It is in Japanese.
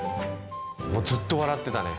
もうずっと笑ってたね。